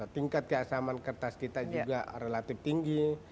tingkat keasaman kertas kita juga relatif tinggi